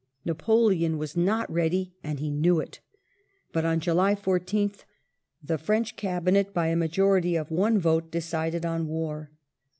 Napoleon was not ready and he knew it. But on July 14th the French Cabinet by a majority of one vote decided on war.